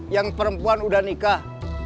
yang perempuan udah nikah